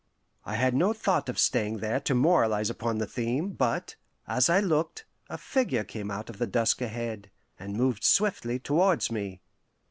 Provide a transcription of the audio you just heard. I had no thought of staying there to moralize upon the theme; but, as I looked, a figure came out of the dusk ahead, and moved swiftly towards me.